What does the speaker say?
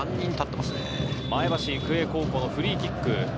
前橋育英高校のフリーキック。